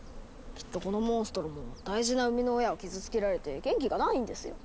きっとこのモンストロも大事な生みの親を傷つけられて元気がないんですよ。